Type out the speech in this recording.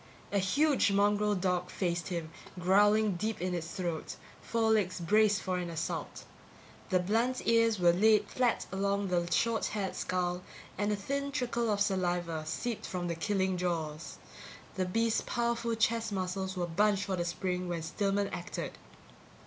A huge mongrel dog faced him, growling deep in its throat, four legs braced for assault. The blunt ears were laid flat along the short haired skull and a thin trickle of saliva seeped from the killing jaws. The beast's powerful chest muscles were bunched for the spring when Stillman acted.